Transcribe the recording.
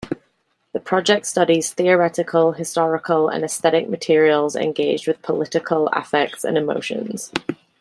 The project studies theoretical, historical, and aesthetic materials engaged with political affects and emotions.